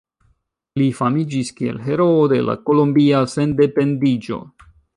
Li famiĝis kiel heroo de la kolombia sendependiĝo.